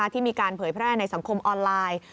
ที่มีการเผยแพร่ในสังคมออนไลน์